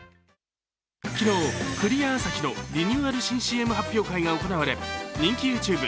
昨日、クリアアサヒのリニューアル新ＣＭ発表会が行われ人気ＹｏｕＴｕｂｅ